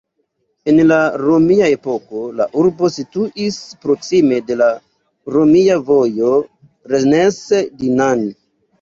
En la romia epoko, la urbo situis proksime de la romia vojo Rennes-Dinan.